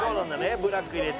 ブラック入れて。